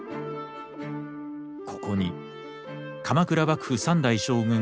ここに鎌倉幕府三代将軍